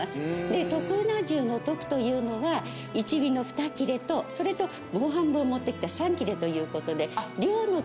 で特うな重の「特」というのは１尾の２切れとそれともう半分を持ってきた３切れということで。